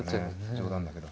冗談だけど。